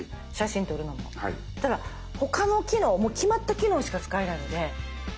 ただ他の機能もう決まった機能しか使えないので。